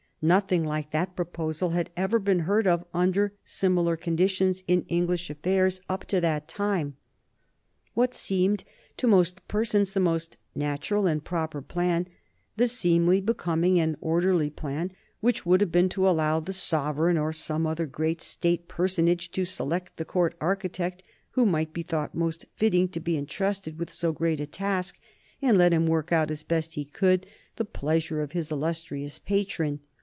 Nothing like that proposal had ever been heard of under similar conditions in English affairs up to that time. What seemed to most persons the most natural and proper plan the seemly, becoming, and orderly plan would have been to allow the sovereign or some great State personage to select the Court architect who might be thought most fitting to be intrusted with so great a task, and let him work out, as best he could, the pleasure of his illustrious patron.